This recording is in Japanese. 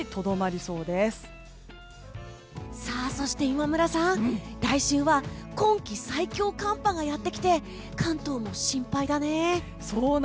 そして今村さん、来週は今季最強寒波がやってきて関東も心配だね。